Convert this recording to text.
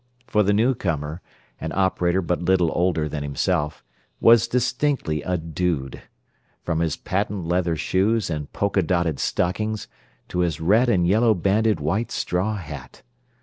For the newcomer, an operator but little older than himself, was distinctly a "dude" from his patent leather shoes and polka dotted stockings to his red and yellow banded white straw hat.